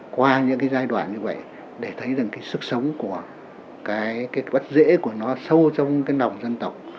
qua những cái giai đoạn như vậy để thấy rằng cái sức sống của cái bất dễ của nó sâu trong cái nòng dân tộc